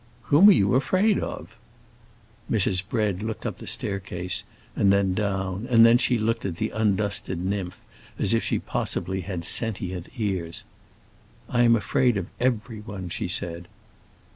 "Whom are you afraid of?" Mrs. Bread looked up the staircase and then down and then she looked at the undusted nymph, as if she possibly had sentient ears. "I am afraid of everyone," she said.